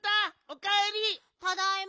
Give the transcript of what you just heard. おかえり。